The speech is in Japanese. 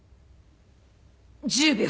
１０秒。